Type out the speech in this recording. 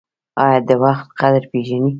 ایا د وخت قدر پیژنئ؟